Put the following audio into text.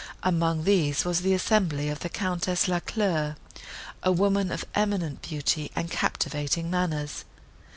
Among these, was the assembly of the Countess Lacleur, a woman of eminent beauty and captivating manners.